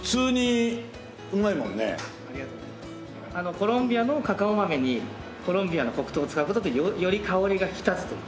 コロンビアのカカオ豆にコロンビアの黒糖を使う事でより香りが引き立つという。